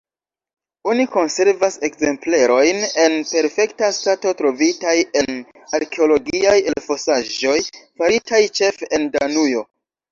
Oni konservas ekzemplerojn en perfekta stato trovitaj en arkeologiaj elfosaĵoj faritaj ĉefe en Danujo.